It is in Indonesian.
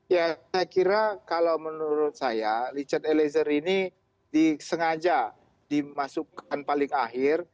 ya saya kira kalau menurut saya richard eliezer ini disengaja dimasukkan paling akhir